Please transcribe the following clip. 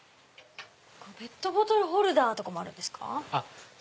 ペットボトルホルダーとかもあるんですか。